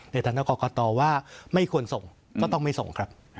เดี๋ยวท่านต่อกรก็ตอบว่าไม่ควรส่งก็ต้องไม่ส่งครับ